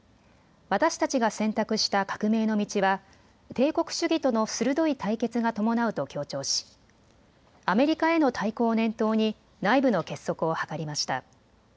私たちが選択した革命の道は帝国主義との鋭い対決が伴うと強調しアメリカへの対抗を念頭に内部の結束を図りました。